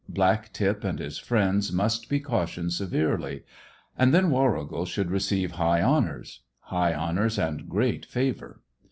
Black tip and his friends must be cautioned severely. And then Warrigal should receive high honours; high honours and great favour.